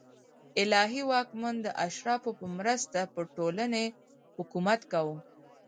الهي واکمن د اشرافو په مرسته پر ټولنې حکومت کاوه